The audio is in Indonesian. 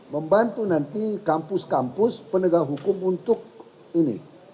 membantu nanti kampus kampus penegak hukum untuk ini